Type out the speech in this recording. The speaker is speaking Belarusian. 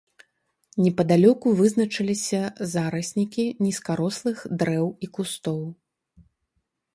Непадалёку вызначаліся зараснікі нізкарослых дрэў і кустоў.